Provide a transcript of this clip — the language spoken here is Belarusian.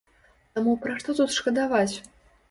Таму пра што тут шкадаваць?